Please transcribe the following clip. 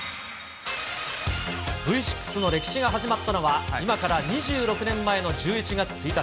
Ｖ６の歴史が始まったのは今から２６年前の１１月１日。